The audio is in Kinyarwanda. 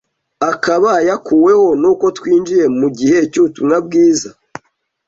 akaba yakuweho n’uko twinjiye mu gihe cy’ubutumwa bwiza.